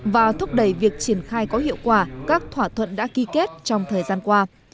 và thúc đẩy việc triển khai có hiệu quả các thỏa thuận đã ký kết trong thời gian qua